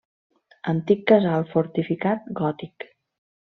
Antic casal fortificat gòtic.